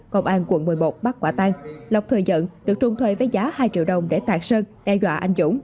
công an quận một mươi một bắt quả tang lộc thời dận được trung thuê với giá hai triệu đồng để tạc sơn đe dọa anh dũng